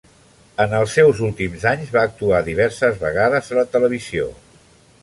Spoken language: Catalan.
En els seus últims anys va actuar diverses vegades a la televisió.